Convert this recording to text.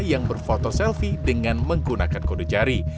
yang berfoto selfie dengan menggunakan kode jari